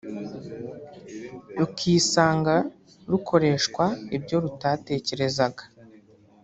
rukisanga rukoreshwa ibyo rutatekerezaga